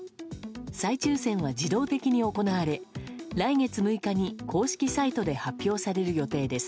再抽選は自動的に行われ来月６日に公式サイトで発表される予定です。